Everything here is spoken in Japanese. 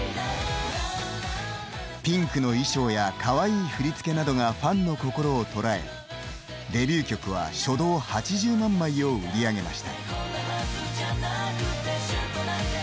ピンクの衣装やかわいい振り付けなどがファンの心を捉えデビュー曲は初動８０万枚を売り上げました。